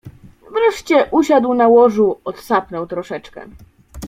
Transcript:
Wreszcie usiadł na łożu, odsapnął troszeczkę